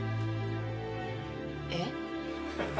えっ？